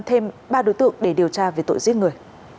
thêm ba đối tượng để điều tra về tội giết người